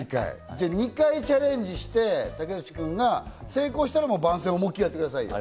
じゃあ２回チャレンジして、竹内君が成功したら、もう番宣を思いっきりやってください。